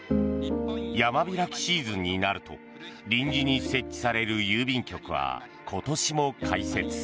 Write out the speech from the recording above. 山開きシーズンになると臨時に設置される郵便局は今年も開設。